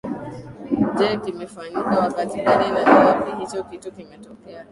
Je kimefaanyika wakati gani na ni wapi hicho kitu kimetokea